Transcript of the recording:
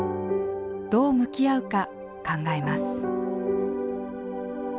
どう向き合うか考えます。